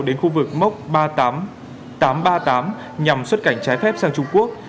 đến khu vực mốc tám trăm ba mươi tám nhằm xuất cảnh trái phép sang trung quốc